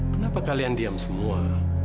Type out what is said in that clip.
kenapa kalian diam semua